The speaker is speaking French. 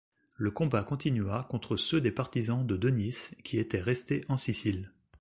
Le combat continua contre ceux des partisans de Denys qui étaient restés en Sicile.